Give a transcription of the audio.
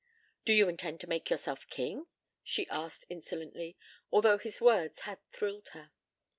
"Do you intend to make yourself king?" she asked insolently, although his words had thrilled her.